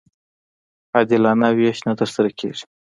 عادلانه وېش نه ترسره کېږي.